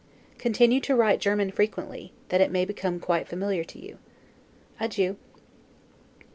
Continue to write German frequently, that it may become quite familiar to you. Adieu.